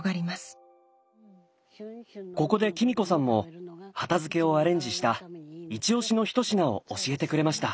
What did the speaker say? ここでキミ子さんも畑漬をアレンジした一押しのひと品を教えてくれました。